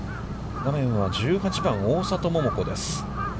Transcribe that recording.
画面は１８番、大里桃子です。